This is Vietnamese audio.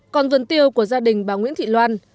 còn vườn tiêu của gia đình bà nguyễn thị loan